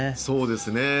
そうですね。